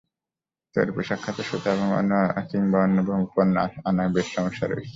তৈরি পোশাক খাতের সুতা কিংবা অন্য ভোগ্যপণ্য আনায় বেশ সমস্যা রয়েছে।